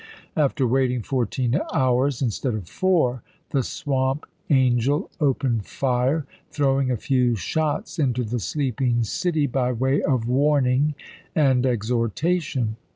After waiting fourteen hours, instead of four, the Swamp Angel opened fire, throwing a few shots into the sleeping city by way of warning and exhortation.